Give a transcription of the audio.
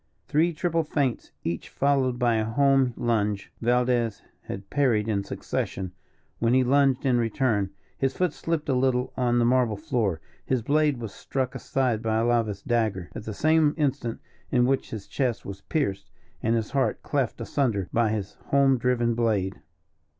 Three triple feints, each followed by a home lunge, Valdez had parried in succession, when he lunged in return. His foot slipped a little on the marble floor; his blade was struck aside by Alava's dagger, at the same instant in which his chest was pierced and his heart cleft asunder by his home driven blade.